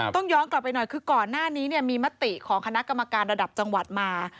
ต้องย้อนกลับไปหน่อยคือก่อนหน้านี้มีมติของคณะกรรมการระดับจังหวัดมา